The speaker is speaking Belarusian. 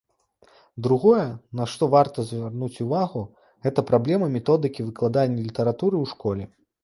Другое, на што варта звярнуць увагу, гэта праблема методыкі выкладання літаратуры ў школе.